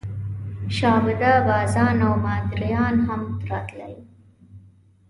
شعبده بازان او مداریان هم راتلل.